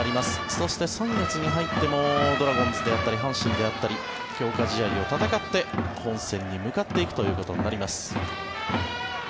そして、３月に入ってもドラゴンズであったり阪神であったり強化試合を戦って本戦に向かっていくことになります。